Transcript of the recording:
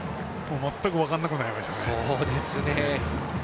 全く分からなくなりました。